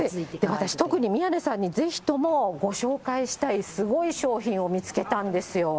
私、特に宮根さんにぜひともご紹介したい、すごい商品を見つけたんですよ。